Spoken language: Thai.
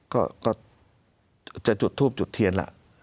ก็จะจุดทูบจุดเทียนล่ะ